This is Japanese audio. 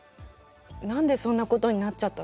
何でそんなことになっちゃったの？